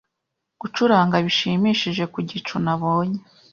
gucuranga bishimishije Ku gicu nabonye